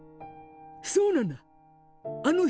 そうなんだ！